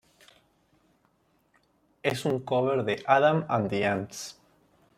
Es un cover de Adam and the Ants.